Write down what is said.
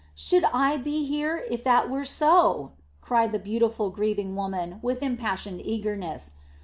"Should I be here, if that were so!" cried the beautiful, grieving woman with impassioned eagerness.